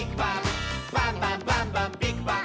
「バンバンバンバンビッグバン！」